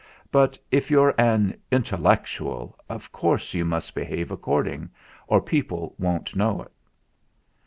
But if you're an "intellectual," of course you must behave according, or people won't know it.